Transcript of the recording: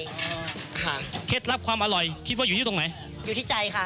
ค่ะเคล็ดลับความอร่อยคิดว่าอยู่ที่ตรงไหนอยู่ที่ใจค่ะ